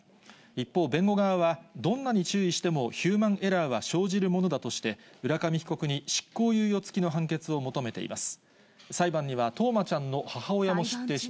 一方、弁護側は、どんなに注意してもヒューマンエラーは生じるものだとして、浦上被告に執行猶予付きの判決を求めています。